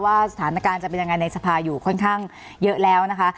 สถานการณ์จะเป็นยังไงในสภาอยู่ค่อนข้างเยอะแล้วนะคะ